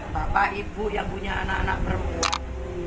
bapak ibu yang punya anak anak perempuan